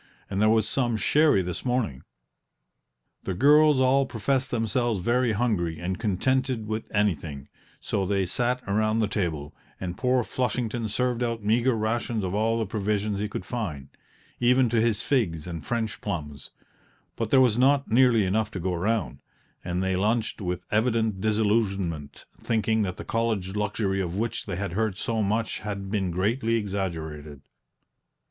And there was some sherry this morning." The girls all professed themselves very hungry and contented with anything; so they sat around the table, and poor Flushington served out meagre rations of all the provisions he could find, even to his figs and French plums; but there was not nearly enough to go round, and they lunched with evident disillusionment, thinking that the college luxury of which they had heard so much had been greatly exaggerated.